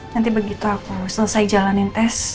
nanti begitu aku selesai jalanin tes